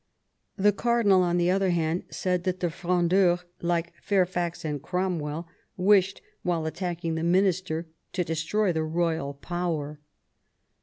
The cardinal, on the other hand, said that the Frondeurs, like Fairfax and Cromwell, wished, while attacking the minister, to destroy the royal power.